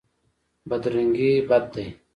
بدرنګي بد دی.